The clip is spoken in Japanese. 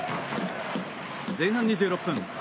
前半２６分。